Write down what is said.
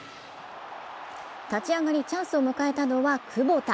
立ち上がり、チャンスを迎えたのはクボタ。